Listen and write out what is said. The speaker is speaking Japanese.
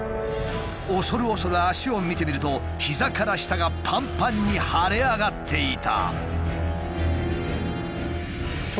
恐る恐る脚を見てみると膝から下がパンパンに腫れ上がっていた。